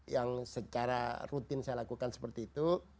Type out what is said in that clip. yang secara rutin saya lakukan seperti itu